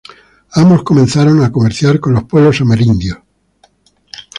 Ambos comenzaron a comerciar con los pueblos amerindios.